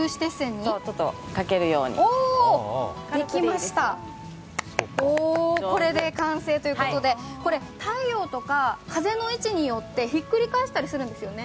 できました、これで完成ということで、太陽とか風の位置によってひっくり返したりするんですよね？